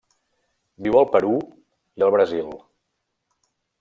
Viu al Perú i el Brasil.